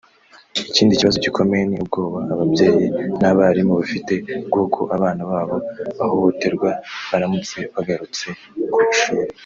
Ikindi kibazo gikomeye ni ubwoba ababyeyi n’abarimu bafite bw’uko abana babo bahohoterwa baramutse bagarutse ku ishuri